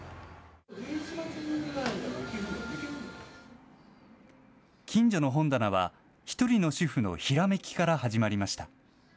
きんじょの本棚は、１人の主婦のひらめきから始まりました。